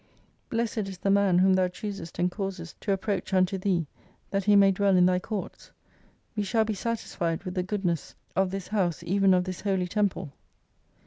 Blessed is the man whom Thou choosest and causest to approach unto Thee, that he may dwell in Thy courts. We shall be satisied with the goodness of this 227 house, even of this Holy Temple.